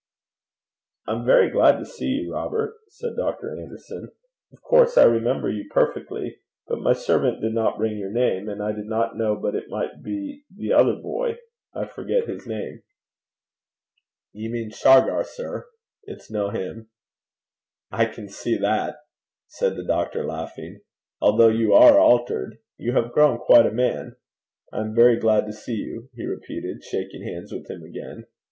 'I'm very glad to see you, Robert,' said Dr. Anderson. 'Of course I remember you perfectly; but my servant did not bring your name, and I did not know but it might be the other boy I forget his name.' 'Ye mean Shargar, sir. It's no him.' 'I can see that,' said the doctor, laughing, 'although you are altered. You have grown quite a man! I am very glad to see you,' he repeated, shaking hands with him again.